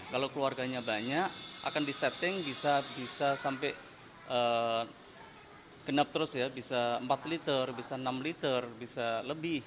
kalau keluarganya banyak akan disetting bisa sampai genap terus ya bisa empat liter bisa enam liter bisa lebih